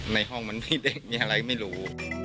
ในห้องมันมีเด็กมีอะไรไม่รู้